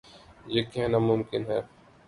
یہ کہنا ممکن ہے۔